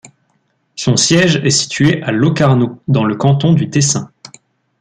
Son siège est situé à Locarno, dans le canton du Tessin.